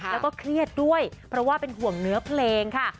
แล้วก็เครียดด้วยเพราะว่าเป็นห่วงเนื้อเพลงค่ะ